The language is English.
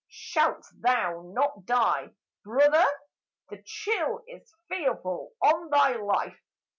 Shalt thou not die, Brother ? the chill is fearful on thy life.